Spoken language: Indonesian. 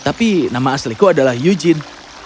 tapi nama asliku adalah eugene